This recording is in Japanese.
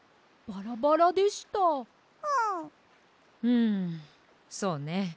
んそうね。